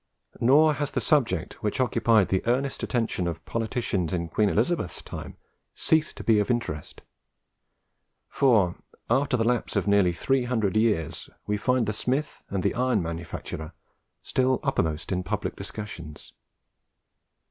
Nor has the subject which occupied the earnest attention of politicians in Queen Elizabeth's time ceased to be of interest; for, after the lapse of nearly three hundred years, we find the smith and the iron manufacturer still uppermost in public discussions.